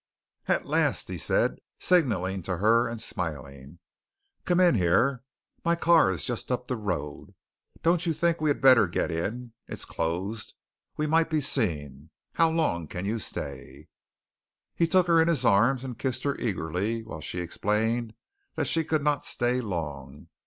"At last?" he said signaling her and smiling. "Come in here. My car is just up the road. Don't you think we had better get in? It's closed. We might be seen. How long can you stay?" He took her in his arms and kissed her eagerly while she explained that she could not stay long.